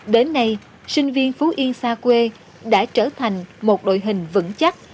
đến nay sinh viên phú yên xa quê đã trở thành một đội hình vững chắc